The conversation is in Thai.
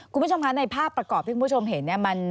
คุณผู้ชมครับในภาพประกอบที่คุณผู้ชมเห็น